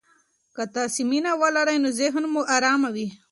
که تاسي مینه ولرئ، نو ذهن مو ارام وي.